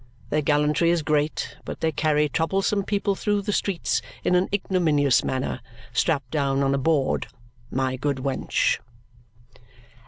Their gallantry is great, but they carry troublesome people through the streets in an ignominious manner, strapped down on a board, my good wench."